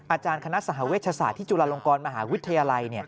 อาจารย์คณะสหเวชศาสตร์ที่จุฬาลงกรมหาวิทยาลัย